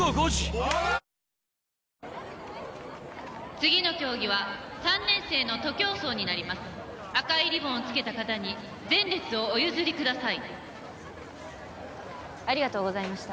次の競技は３年生の徒競走になります赤いリボンをつけた方に前列をお譲りくださいありがとうございました